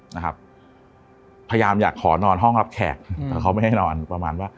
นะครับพยายามอยากขอนอนห้องรับแขกอืมแต่เขาไม่ให้นอนประมาณว่า